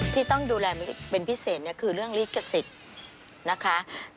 ที่ต้องดูแลเป็นพิเศษคือเรื่องลิขสิทธิ์นะคะ